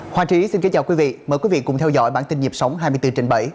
hoàng trí xin kính chào quý vị mời quý vị cùng theo dõi bản tin nhịp sống hai mươi bốn trên bảy